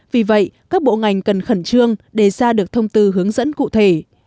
vì vậy các bộ ngành cần khẩn trương đề ra được thông tư hướng dẫn cụ thể